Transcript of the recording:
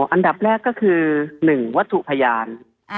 อันดับแรกก็คือ๑วัตถุพยาน